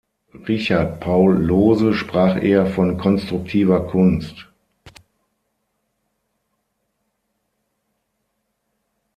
Richard Paul Lohse sprach eher von konstruktiver Kunst.